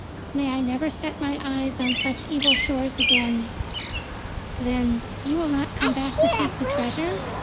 "May I never set my eyes on such evil shores again." "Then you will not come back to seek the treasure?"